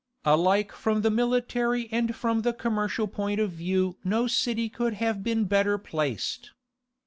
Alike from the military and from the commercial point of view no city could have been better placed.